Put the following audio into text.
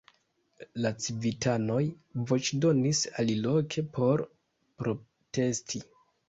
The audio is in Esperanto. La civitanoj voĉdonis aliloke por protesti.